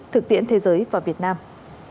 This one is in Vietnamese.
thực tiễn thế giới và việt nam